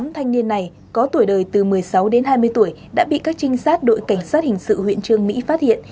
tám thanh niên này có tuổi đời từ một mươi sáu đến hai mươi tuổi đã bị các trinh sát đội cảnh sát hình sự huyện trương mỹ phát hiện